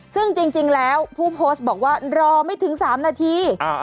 ซึ่งจริงแล้วผู้โพสต์บอกว่ารอไม่ถึง๓นาที